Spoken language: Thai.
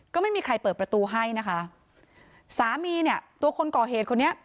ก็ไม่มีใครเปิดประตูให้นะคะสามีเนี่ยตัวคนก่อเหตุคนนี้